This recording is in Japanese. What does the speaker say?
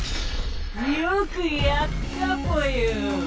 よくやったぽよ。